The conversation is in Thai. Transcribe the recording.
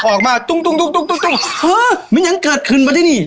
ออกมาตุ้งมันยังเกิดขึ้นมาที่นี่